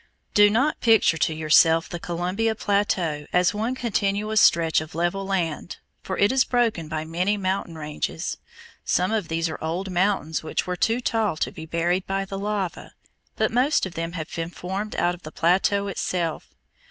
Do not picture to yourself the Columbia plateau as one continuous stretch of level land, for it is broken by many mountain ranges. Some of these are old mountains which were too tall to be buried by the lava, but most of them have been formed out of the plateau itself.